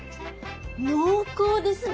濃厚ですね！